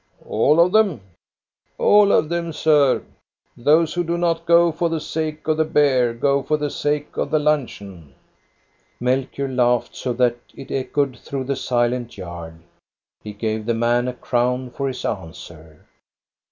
"All of them?" " All of them, sir. Those who do not go for the sake of the bear go for the sake of the luncheon." Melchior laughed so that it echoed through the silent yard. He gave the man a crown for his answer.